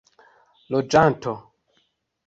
loĝanto